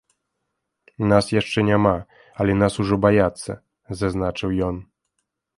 Нас яшчэ няма, але нас ужо баяцца, зазначыў ён.